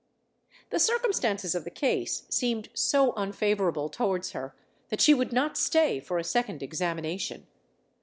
The circumstances of the case seemed so unfavourable towards her that she would not stay for a second examination.